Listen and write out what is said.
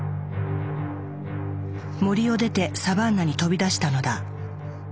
森を出てサバンナに飛び出したのだ。